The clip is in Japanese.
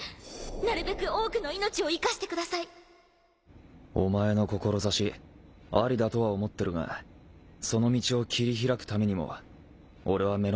なるべく多くの命を生かしてくださ阿了ありだとは思ってるがその道を切り開くためにも兇鰐椶料阿療┐